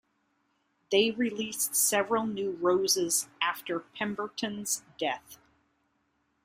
They released several new roses after Pemberton's death.